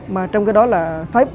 mà trong cái đó là thấy